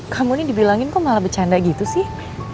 kamu ini dibilangin kok malah bercanda gitu sih